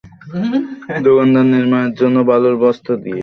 দোকানঘর নির্মাণের জন্য বালুর বস্তা দিয়ে খালের জায়গা ভরাট করা হয়েছে।